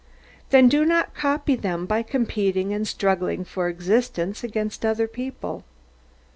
Then do not copy them, by competing and struggling for existence against other people.